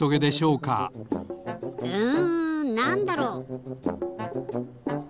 うんなんだろう？